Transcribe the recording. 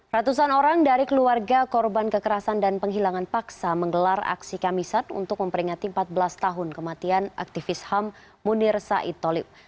ratusan orang dari keluarga korban kekerasan dan penghilangan paksa menggelar aksi kamisat untuk memperingati empat belas tahun kematian aktivis ham munir said tolib